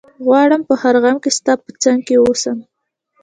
غواړم په هر غم کي ستا په څنګ کي ووسم